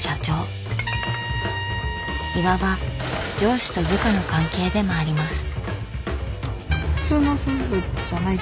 いわば上司と部下の関係でもあります。